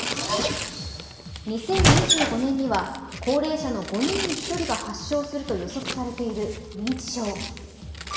２０２５年には高齢者の５人に１人が発症すると予測されている認知症。